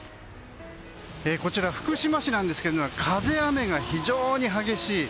こちら、福島市なんですが風や雨が非常に激しい。